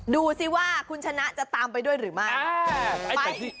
ดูสิว่าคุณชนะจะตามไปด้วยหรือไม่